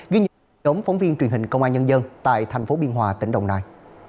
ghi nhận từ một đống phóng viên truyền hình công an nhân dân tại tp biên hòa tỉnh đồng nai